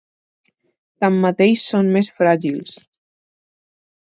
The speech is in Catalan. Tanmateix són més fràgils.